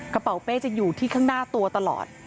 กระเป๋าเป้จะอยู่ที่ข้างหน้าตัวตลอด